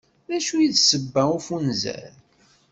D acu i d ssebba n ufunzer?